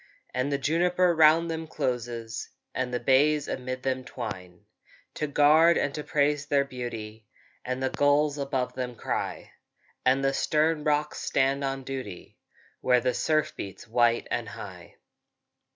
And the juniper round them closes, And the bays amid them twine, To guard and to praise their beauty; And the gulls above them cry, And the stern rocks stand on duty, Where the surf beats white and high.